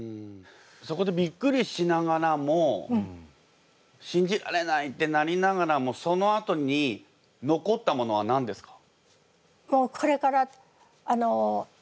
そこでびっくりしながらも信じられないってなりながらもそのあとに残ったものは何ですか？